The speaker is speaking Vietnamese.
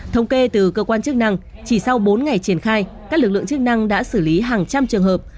thống kê từ cơ quan chức năng chỉ sau bốn ngày triển khai các lực lượng chức năng đã xử lý hàng trăm trường hợp